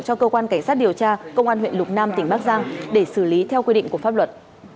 cho cơ quan cảnh sát điều tra công an huyện lục nam tỉnh bắc giang để xử lý theo quy định của pháp luật